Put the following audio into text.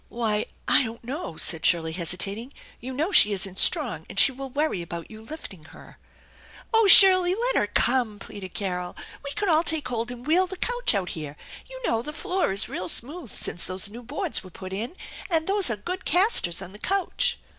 "Why, I don't know," said Shirley, hesitating. "You THE ENCHANTED BARN 135 know she is?*'* strong, and she will worry about your lifting "Oh Shirley, let her come," pleaded Carol. "We could all take hold and wheel the couch out here; you know the floor is real smooth since those new boards were put in, and there are good castors on the couch."